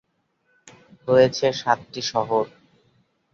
রয়েছে সাতটি শহর।